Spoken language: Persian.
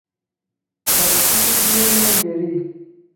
تصویر دوریان گری